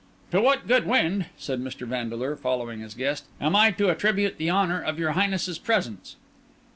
"To what good wind," said Mr. Vandeleur, following his guest, "am I to attribute the honour of your Highness's presence?"